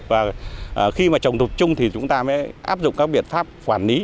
và khi trồng tập trung thì chúng ta mới áp dụng các biện pháp quản lý